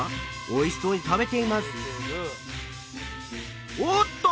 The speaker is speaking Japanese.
おいしそうに食べていますおっと！